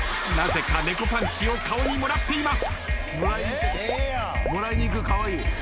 なぜか猫パンチを顔にもらっています。